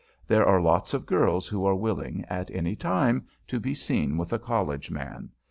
There are lots of girls who are willing, at any time, to be seen with a College man.